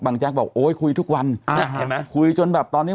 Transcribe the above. เมื่อขอบคุณบ้าง